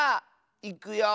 いくよ。